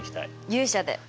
勇者で！